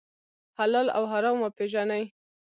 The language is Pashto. حلال او حرام وپېژنئ.